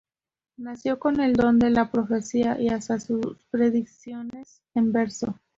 Nació con el don de la profecía y hacía sus predicciones en verso.